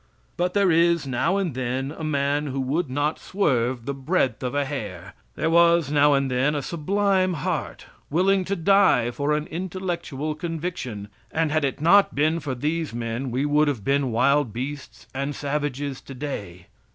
But there is now and then a man who would not swerve the breadth of a hair. There was now and then a sublime heart willing to die for an intellectual conviction, and had it not been for these men we would have been wild beasts and savages today.